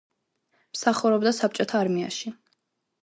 მსახურობდა საბჭოთა არმიაში.